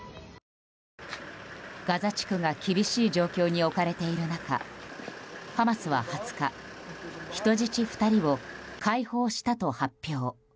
ガザ地区が厳しい状況に置かれている中ハマスは２０日人質２人を解放したと発表。